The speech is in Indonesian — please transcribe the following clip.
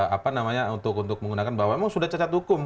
apa namanya untuk menggunakan bahwa memang sudah cacat hukum